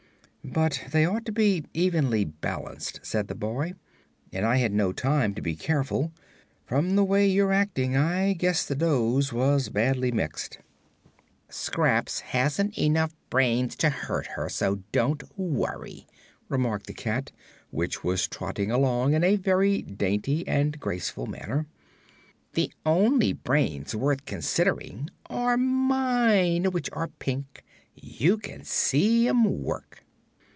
"But they ought to be evenly balanced," said the boy, "and I had no time to be careful. From the way you're acting, I guess the dose was badly mixed." "Scraps hasn't enough brains to hurt her, so don't worry," remarked the cat, which was trotting along in a very dainty and graceful manner. "The only brains worth considering are mine, which are pink. You can see 'em work."